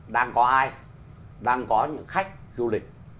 đang có ai đang có những khách du lịch